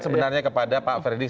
sebenarnya kepada pak fredyck